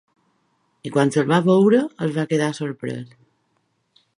I quan els va veure es va quedar sorprès.